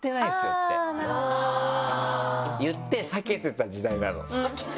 って言って避けてた時代なの。